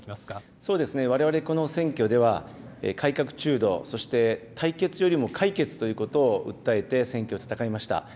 そうですね、われわれ、この選挙では、改革中道、そして対決よりも解決ということを訴えて選挙戦いました。